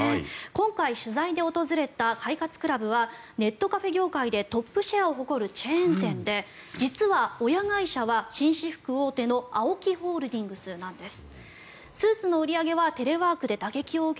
今回、取材で訪れた快活ＣＬＵＢはネットカフェ業界でトップシェアを誇るチェーン店で実は親会社は、紳士服大手のＡＯＫＩホールディングスなんです。